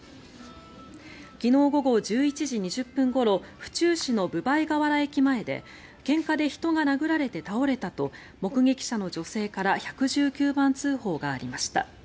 昨日午後１１時２０分ごろ府中市の分倍河原駅前でけんかで人が殴られて倒れたと目撃者の女性から１１９番通報がありました。